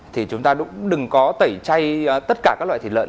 thì chúng ta cũng đừng có tẩy chay tất cả các loại thịt lợn